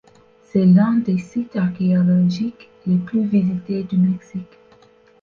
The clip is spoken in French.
C’est l'un des sites archéologiques les plus visités du Mexique.